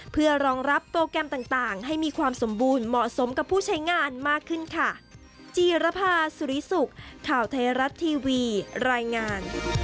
เพื่อรองรับโปรแกรมต่างให้มีความสมบูรณ์เหมาะสมกับผู้ใช้งานมากขึ้นค่ะ